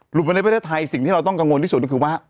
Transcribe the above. ไปในประเทศไทยสิ่งที่เราต้องกังวลที่สุดก็คือว่า